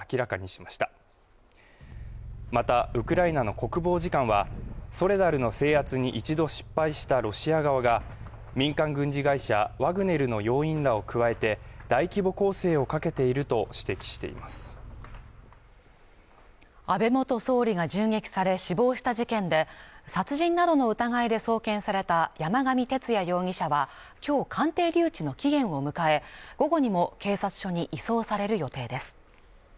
またウクライナの国防次官はソレダルの制圧に一度失敗したロシア側が民間軍事会社ワグネルの要員らを加えて大規模攻勢をかけていると指摘しています安倍元総理が銃撃され死亡した事件で殺人などの疑いで送検された山上徹也容疑者は今日鑑定留置の期限を迎え午後にも警察署に移送される予定です